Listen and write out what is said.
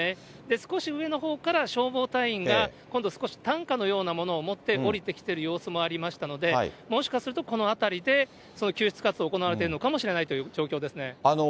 少し上のほうから、消防隊員が今度少し、担架のようなものを持って下りてきている様子もありましたので、もしかするとこの辺りで、その救出活動、行われているかもしれないという状況ですね。